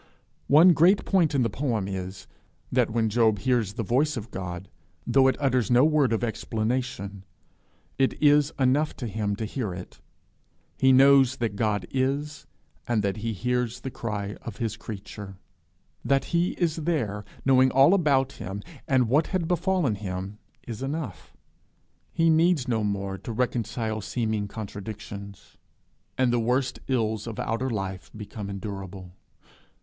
One great point in the poem is that when Job hears the voice of God, though it utters no word of explanation, it is enough to him to hear it: he knows that God is, and that he hears the cry of his creature. That he is there, knowing all about him, and what had befallen him, is enough; he needs no more to reconcile seeming contradictions, and the worst ills of outer life become endurable.